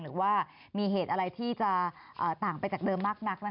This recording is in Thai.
หรือว่ามีเหตุอะไรที่จะต่างไปจากเดิมมากนัก